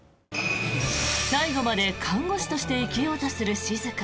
最期まで看護師として生きようとする静。